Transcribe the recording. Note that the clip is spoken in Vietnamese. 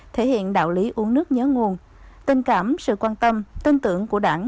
thể hiện đạo lý uống nước nhớ nguồn tình cảm sự quan tâm tin tưởng của đảng